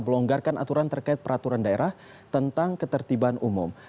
melonggarkan aturan terkait peraturan daerah tentang ketertiban umum